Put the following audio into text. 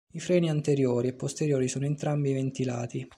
I freni anteriori e posteriori sono entrambi ventilati.